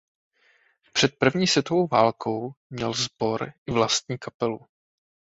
Před první světovou válkou měl Sbor i vlastní kapelu.